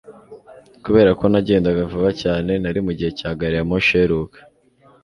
Kubera ko nagendaga vuba cyane nari mugihe cya gari ya moshi iheruka